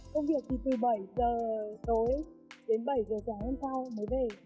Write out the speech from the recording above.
công việc thì từ bảy giờ tối đến bảy giờ sáng hôm sau mới về